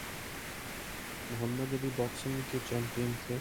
محمد Ali boxing کے champion تھے۔